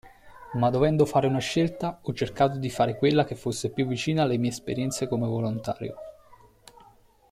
Ma dovendo fare una scelta, ho cercato di fare quella che fosse più vicina alle mie esperienze come volontario.